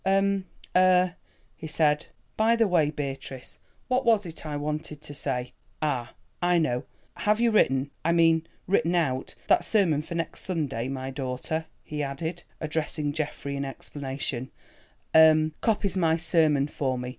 "Um, ah," he said. "By the way, Beatrice, what was it I wanted to say? Ah, I know—have you written, I mean written out, that sermon for next Sunday? My daughter," he added, addressing Geoffrey in explanation—"um, copies my sermons for me.